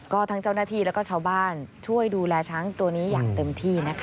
ก็ทั้งเจ้าหน้าที่แล้วก็ชาวบ้านช่วยดูแลช้างตัวนี้อย่างเต็มที่นะคะ